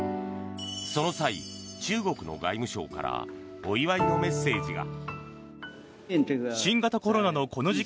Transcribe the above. その際、中国の外務省からお祝いのメッセージが。